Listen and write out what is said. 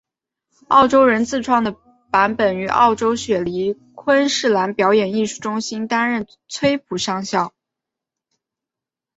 澳洲人自创的版本于澳洲雪梨昆士兰表演艺术中心担任崔普上校。